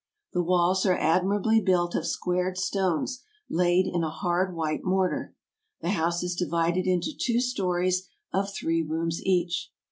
The walls are admirably built of squared stones laid in a hard white mortar. The house is divided into two stories of three rooms each.